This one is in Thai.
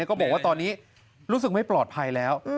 ก็บอกว่าตอนนี้รู้สึกไม่ปลอดภัยแล้ว